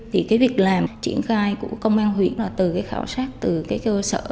thì cái việc làm triển khai của công an huyện là từ cái khảo sát từ cái cơ sở